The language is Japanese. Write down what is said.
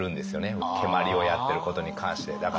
蹴鞠をやってることに関してだから。